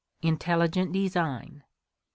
Intelligent design, 2.